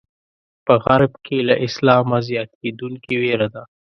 په غرب کې له اسلامه زیاتېدونکې وېره ده.